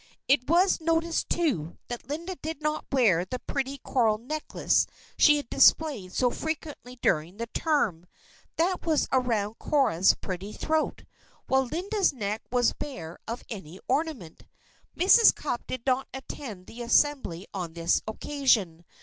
It was noticed, too, that Linda did not wear the pretty coral necklace she had displayed so frequently during the term. That was around Cora's pretty throat, while Linda's neck was bare of any ornament. Mrs. Cupp did not attend the assembly on this occasion.